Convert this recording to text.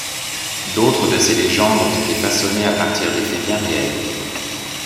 D'autres de ces légendes ont été façonnées à partir de faits bien réels.